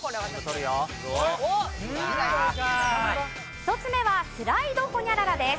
１つ目はスライドホニャララです。